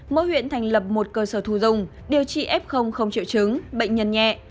mỗi huyện thành lập một cơ sở thu dùng điều trị f không triệu chứng bệnh nhân nhẹ